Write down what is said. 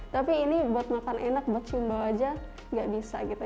tapi ini buat makan enak buat simbau aja gak bisa gitu